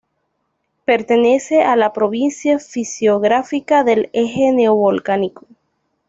Pertenece a la Provincia Fisiográfica del Eje Neovolcánico.